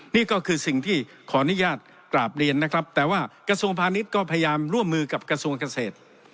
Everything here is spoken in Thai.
นี่ก็คือสิ่งที่ขออนุญาตกราบเรียนนะครับแต่ว่ากระทรวงพาณิชย์ก็พยายามร่วมมือกับกระทรวงเกษตร